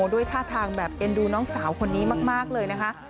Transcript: ด้วยท่าทางแบบเอ็นดูน้องสาวคนนี้มากเลยนะคะ